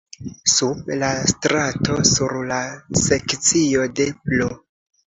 Sub la strato, sur la sekcio de pl.